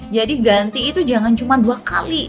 jadi ganti itu jangan cuma dua kali